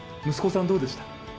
息子さん、どうでした？